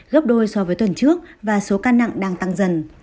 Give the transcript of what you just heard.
gấp đôi so với tuần trước và số ca nặng đang tăng dần